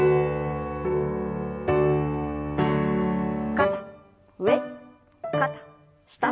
肩上肩下。